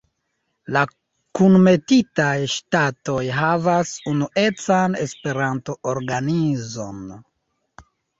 La kunmetitaj ŝtatoj havas unuecan Esperanto-organizon.